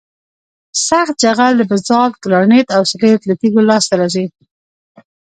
سخت جغل د بزالت ګرانیت او سلیت له تیږو لاسته راځي